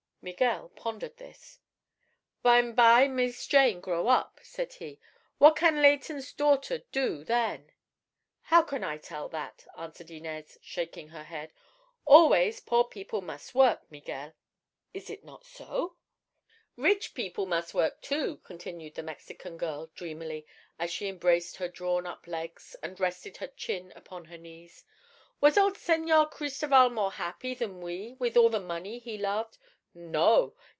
Miguel pondered this. "B'm'by Mees Jane grow up," said he. "What can Leighton's daughter do then?" "How can I tell that?" answered Inez, shaking her head. "Always poor people mus' work, Miguel. Is it not so?" "Rich people mus' work, too," continued the Mexican girl dreamily, as she embraced her drawn up legs and rested her chin upon her knees. "Was old Señor Cristoval more happy than we, with all the money he loved? No!